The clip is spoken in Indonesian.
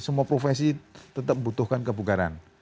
semua profesi tetap membutuhkan kebugaran